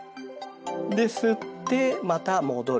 で吸ってまた戻る。